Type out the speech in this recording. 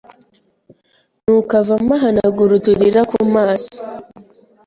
nuko avamo ahanagura uturira ku maso